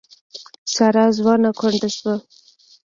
ساره ځوانه کونډه شوه.